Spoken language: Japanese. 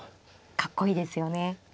かっこいいですよね。